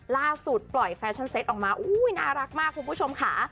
ล่าสุดปล่อยแฟชั่นเต็ตออกมาอุ้ยน่ารักมากคุณผู้ชมค่ะ